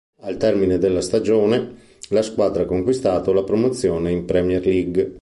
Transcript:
Al termine della stagione, la squadra ha conquistato la promozione in Premier League.